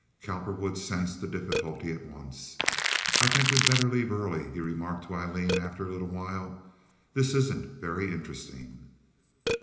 Cowperwood sensed the difficulty at once. "I think we'd better leave early," he remarked to Aileen, after a little while. "This isn't very interesting."